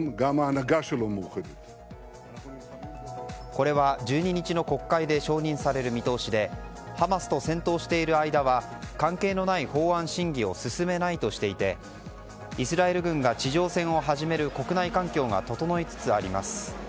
これは１２日の国会で承認される見通しでハマスと戦闘している間は関係のない法案審議を進めないとしていてイスラエル軍が地上戦を始める国内環境が整いつつあります。